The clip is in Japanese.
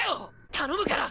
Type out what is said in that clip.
頼むから！！